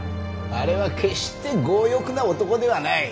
あれは決して強欲な男ではない。